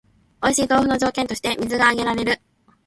おいしい豆腐の条件として水が挙げられる